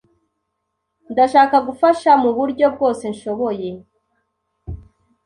Ndashaka gufasha muburyo bwose nshoboye.